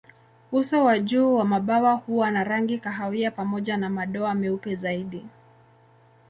Uso wa juu wa mabawa huwa na rangi kahawia pamoja na madoa meupe zaidi.